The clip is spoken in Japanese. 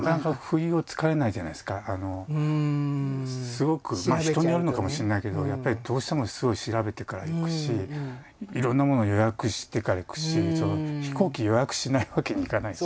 すごくまあ人によるのかもしれないけどやっぱりどうしてもすごい調べてから行くしいろんなものを予約してから行くし飛行機予約しないわけにいかないし。